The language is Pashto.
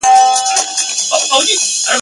ما د خپل قسمت پر فیصلو شکر ایستلی ..